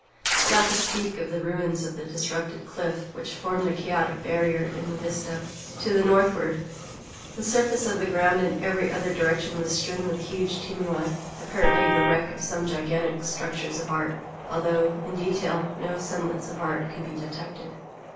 Not to speak of the ruins of the disrupted cliff, which formed a chaotic barrier in the vista to the northward, the surface of the ground in every other direction was strewn with huge tumuli, apparently the wreck of some gigantic structures of art; although, in detail, no semblance of art could be detected.